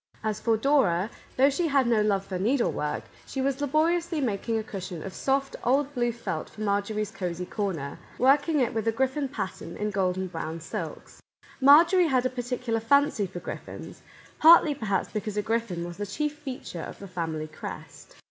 As for Dora, though she had no love for needlework, she was laboriously mak ing a cushion of soft, old blue felt for Mar jorie's cosey corner, working it with a griffin pattern in golden brown silks. Marjorie had a particular fancy for griffins, — partly, per haps, because a griffin was the chief feature of the family crest.